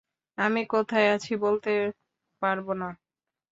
আমি কোথায় আছি বলতে পারব না।